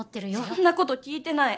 そんな事聞いてない。